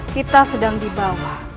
kita sedang dibawa